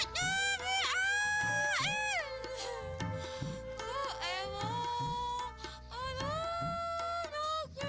pergi pergi pergi